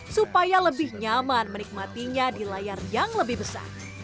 supaya lebih nyaman menikmatinya di layar yang lebih besar